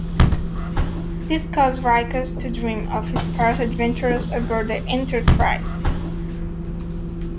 This causes Riker to dream of his past adventures aboard the "Enterprise".